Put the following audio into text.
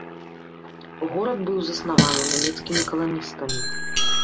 Горад быў заснаваны нямецкімі каланістамі.